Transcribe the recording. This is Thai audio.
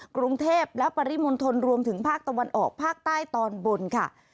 กรุงเทพและปริมณฑลรวมถึงภาคตะวันออกภาคใต้ตอนบนค่ะ